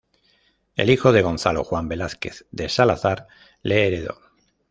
El hijo de Gonzalo, Juan Velazquez de Salazar, le heredó.